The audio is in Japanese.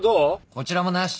こちらもなし。